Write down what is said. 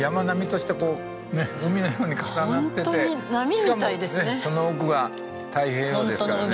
しかもその奥が太平洋ですからね。